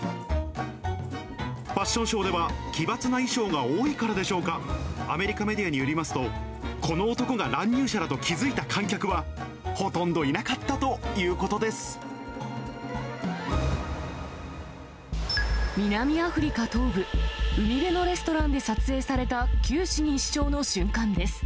ファッションショーでは奇抜な衣装が多いからでしょうか、アメリカメディアによりますと、この男が乱入者だと気付いた観客はほとんどいなかったということ南アフリカ東部、海辺のレストランで撮影された九死に一生の瞬間です。